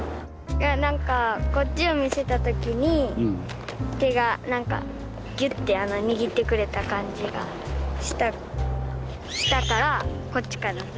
何かこっちを見せた時に手が何かギュッて握ってくれた感じがしたしたからこっちかな。